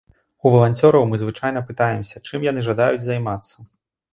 У валанцёраў мы звычайна пытаемся, чым яны жадаюць займацца.